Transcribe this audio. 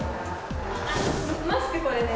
マスク、これです。